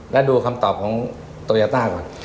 และดูคำตอบของโตยาต้าก่อน